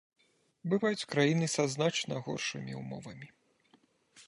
Бываюць краіны са значна горшымі ўмовамі.